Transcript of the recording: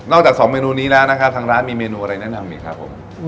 นอกจาก๒เมนูนี้แล้วทั้งร้านมีเมนูอะไรแนะนำดีครับผม